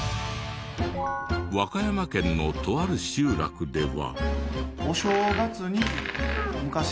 和歌山県のとある集落では。